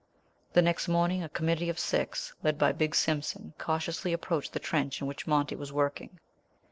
The next morning a committee of six, led by Big Simpson, cautiously approached the trench in which Monty was working.